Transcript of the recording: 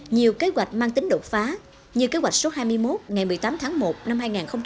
nhiều kế hoạch mang tính đột phá như kế hoạch số hai mươi một ngày một mươi tám tháng một năm hai nghìn hai mươi